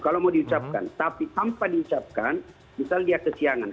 kalau mau diucapkan tapi tanpa diucapkan misal dia kesiangan